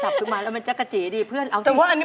เพราะว่าอันนี้มันตัวเล็กไงผมเป็นปันก็ตัวใหญ่